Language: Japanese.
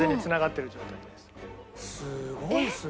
すごいですね。